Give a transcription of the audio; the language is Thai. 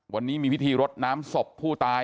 วันนี้มีพิธีรดน้ำศพผู้ตาย